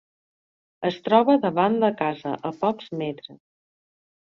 Es troba davant la casa, a pocs metres.